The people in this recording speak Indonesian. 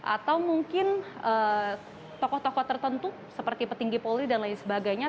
atau mungkin tokoh tokoh tertentu seperti petinggi polri dan lain sebagainya